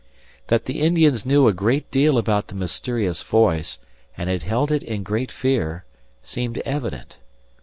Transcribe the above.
That the Indians knew a great deal about the mysterious voice, and had held it in great fear, seemed evident.